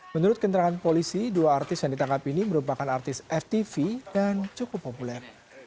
menurut keterangan polisi dua artis yang ditangkap ini merupakan artis ftv dan cukup populer